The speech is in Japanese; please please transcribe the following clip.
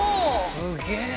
すげえな。